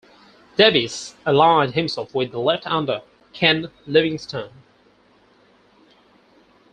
Davies aligned himself with the left under Ken Livingstone.